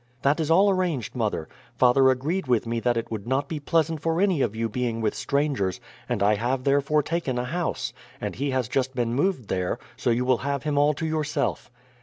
"That is all arranged, mother. Father agreed with me that it would not be pleasant for any of you being with strangers, and I have therefore taken a house; and he has just been moved there, so you will have him all to yourself."